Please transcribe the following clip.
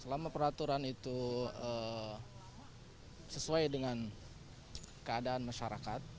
selama peraturan itu sesuai dengan keadaan masyarakat